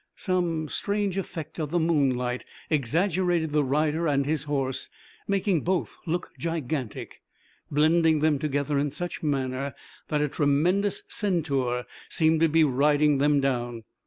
Some strange effect of the moonlight exaggerated the rider and his horse, making both look gigantic, blending them together in such manner that a tremendous centaur seemed to be riding them down.